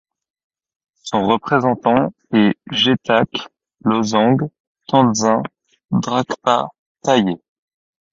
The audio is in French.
Son représentant est Gétak lozang tendzin drakpa tayé.